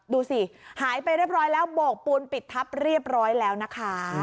ดูสิหายไปเรียบร้อยแล้วโบกปูนปิดทับเรียบร้อยแล้วนะคะ